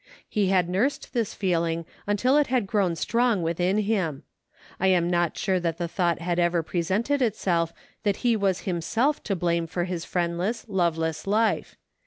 He had nursed this feeling until it had grown strong within him. I am not sure that the thought had ever presented itself that he was himself to blame for his friendless, loveless life.